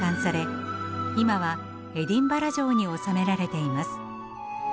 今はエディンバラ城におさめられています。